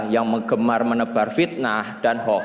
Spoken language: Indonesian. yang menggemar menebar fitnah dan hoax